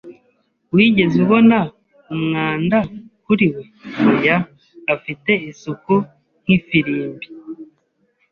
"Wigeze ubona umwanda kuri we?" "Oya, afite isuku nk'ifirimbi."